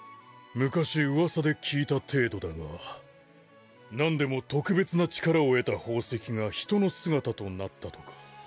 昔噂で聞いた程度だがなんでも特別な力を得た宝石が人の姿となったとか。